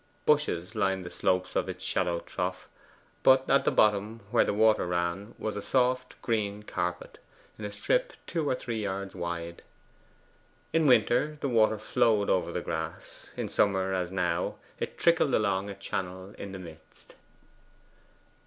Bushes lined the slopes of its shallow trough; but at the bottom, where the water ran, was a soft green carpet, in a strip two or three yards wide. In winter, the water flowed over the grass; in summer, as now, it trickled along a channel in the midst.